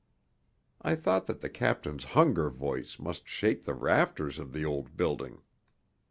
I thought that the captain's hunger voice must shake the rafters of the old building.